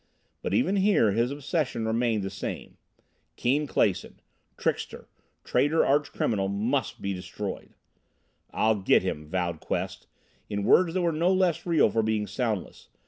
But even here his obsession remained the same. Keane Clason trickster, traitor, arch criminal must be destroyed! "I'll get him!" vowed Quest in words that were no less real for being soundless.